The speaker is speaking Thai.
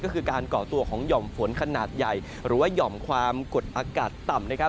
ก็คือการก่อตัวของหย่อมฝนขนาดใหญ่หรือว่าหย่อมความกดอากาศต่ำนะครับ